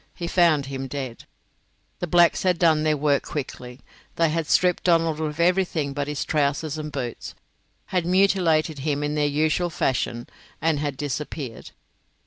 He found him dead. The blacks had done their work quickly. They had stripped Donald of everything but his trousers and boots, had mutilated him in their usual fashion, and had disappeared.